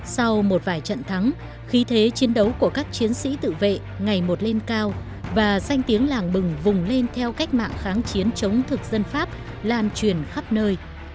sau một vài trận thắng khí thế chiến đấu của các chiến sĩ tự vệ ngày một lên cao và danh tiếng làng bừng vùng lên theo cách mạng kháng chiến chống thực dân pháp lan truyền khắp nơi